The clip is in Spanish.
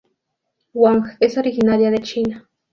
Wang, es originaria de China.